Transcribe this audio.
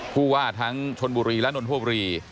ผู้ว่าทั้งชลบุรีและนระโดนโภบรี